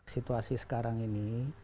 situasi sekarang ini